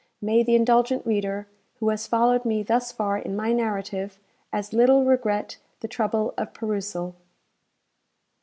May the indulgent reader, who has followed me thus far in my narrative, as little regret the trouble of perusal!